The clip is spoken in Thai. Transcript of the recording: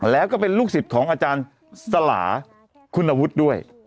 แล้วก็เป็นลูกศิษย์ของอาจารย์สลาคุณวุฒิด้วย